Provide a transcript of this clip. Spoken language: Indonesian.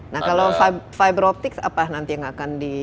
nah kalau fiberoptics apa nanti yang akan di